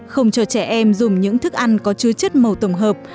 không cho trẻ em dùng những thức ăn có chứa chất màu tổng hợp